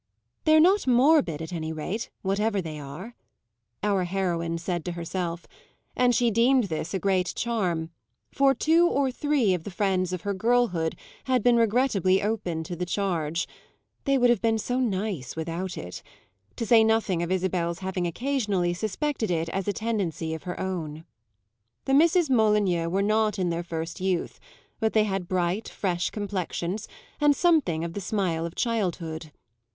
"They're not morbid, at any rate, whatever they are," our heroine said to herself; and she deemed this a great charm, for two or three of the friends of her girlhood had been regrettably open to the charge (they would have been so nice without it), to say nothing of Isabel's having occasionally suspected it as a tendency of her own. The Misses Molyneux were not in their first youth, but they had bright, fresh complexions and something of the smile of childhood.